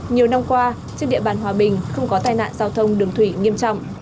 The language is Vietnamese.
nhiều năm qua trên địa bàn hòa bình không có tai nạn giao thông đường thủy nghiêm trọng